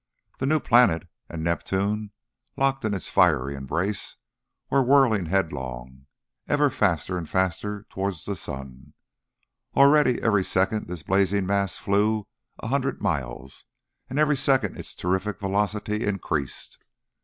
The new planet and Neptune, locked in a fiery embrace, were whirling headlong, ever faster and faster towards the sun. Already every second this blazing mass flew a hundred miles, and every second its terrific velocity increased.